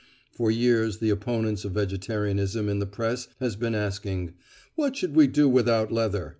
For years the opponents of vegetarianism in the press had been asking, "What should we do without leather?"